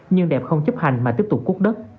nhưng đẹp không chấp hành mà tiếp tục cút đất